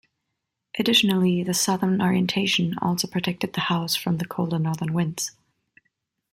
Additionally, the southern orientation also protected the house from the colder northern winds.